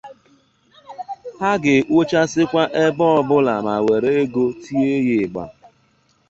Ha ga-ekpochasịkwa ebe ọbụla ma were ego tie ya ịgbà